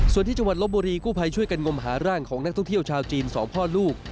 ส่วนที่จังหวัดลบบุรีกู้ภัยช่วยกันงมหาร่างของนักท่องเที่ยวชาวจีน๒พ่อลูก